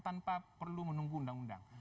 tanpa perlu menunggu undang undang